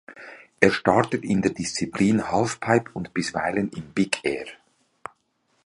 Er startet in der Disziplin Halfpipe und bisweilen im Big Air.